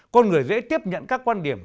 con người dễ tiếp nhận các quan điểm